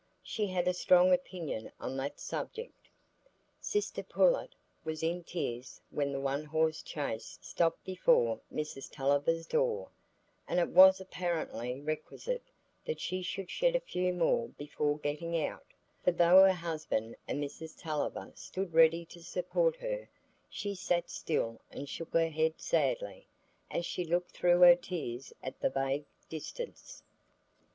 She had a strong opinion on that subject. Sister Pullet was in tears when the one horse chaise stopped before Mrs Tulliver's door, and it was apparently requisite that she should shed a few more before getting out; for though her husband and Mrs Tulliver stood ready to support her, she sat still and shook her head sadly, as she looked through her tears at the vague distance.